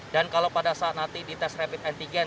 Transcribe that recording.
dan kalau pada saat nanti di tes rapid antigen